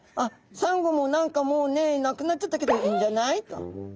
サンゴも何かもうねえなくなっちゃったけどいいんじゃない？」と。